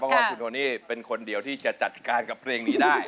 เพราะว่าคุณโทนี่เป็นคนเดียวที่จะจัดการกับเพลงนี้ได้